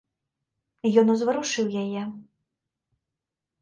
І ён узварушыў яе.